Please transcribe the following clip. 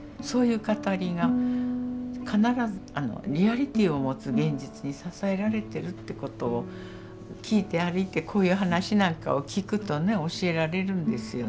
そういう語りが必ずリアリティーを持つ現実に支えられてるってことをきいて歩いてこういう話なんかをきくとね教えられるんですよね。